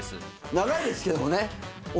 長いですけれどもね。